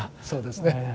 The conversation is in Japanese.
そうですね。